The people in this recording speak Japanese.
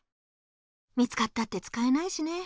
見つかったってつかえないしね。